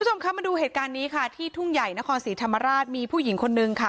คุณผู้ชมคะมาดูเหตุการณ์นี้ค่ะที่ทุ่งใหญ่นครศรีธรรมราชมีผู้หญิงคนนึงค่ะ